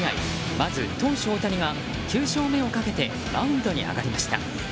まず投手・大谷が９勝目をかけてマウンドに上がりました。